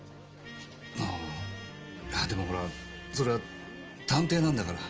あぁでもほらそれは探偵なんだから。